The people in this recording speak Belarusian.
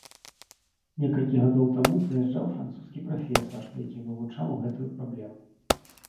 Некалькі гадоў таму прыязджаў французскі прафесар, які вывучаў гэтую праблему.